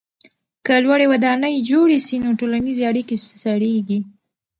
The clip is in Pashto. که لوړې ودانۍ جوړې سي نو ټولنیزې اړیکې سړېږي.